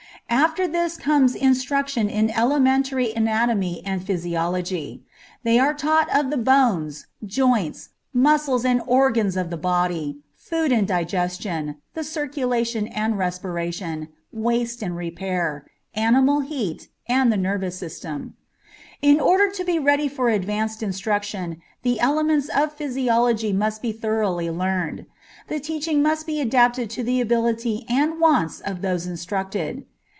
After this comes instruction in elementary anatomy and physiology. They are taught of the bones, joints, muscles, and organs of the body, food and digestion, the circulation and respiration, waste and repair, animal heat, and the nervous system. In order to be ready for advanced instruction the elements of physiology must be thoroughly learned. The teaching must be adapted to the ability and wants of those instructed.